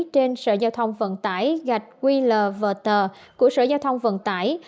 trên sở giao thông vận tải gạch qlvtor của sở giao thông vận tải